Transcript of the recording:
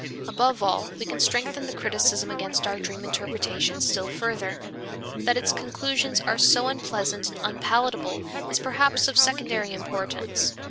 Above all we can strengthen the criticism against our dream interpretation still further. That its conclusions are so unpleasant and unpalatable is perhaps of secondary importance.